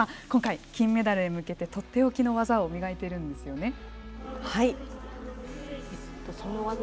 今回、金メダルに向けてとっておきの技を磨いているんですよね。